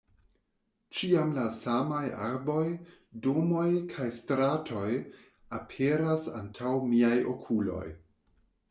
Ĉiam la samaj arboj, domoj kaj stratoj aperas antaŭ miaj okuloj.